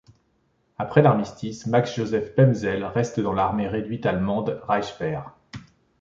Après l'armistice, Max-Josef Pemsel reste dans l'armée réduite allemande Reichswehr.